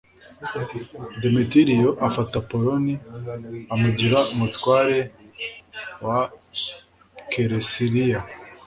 demetiriyo afata apoloni, amugira umutware wa kelesiriya